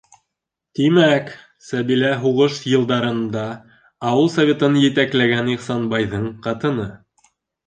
Тимәк, Сәбилә һуғыш йылдарында ауыл Советын етәкләгән Ихсанбайҙың ҡатыны!